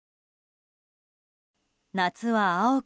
夏は青く